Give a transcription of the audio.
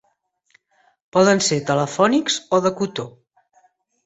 Poden ser telefònics o de cotó.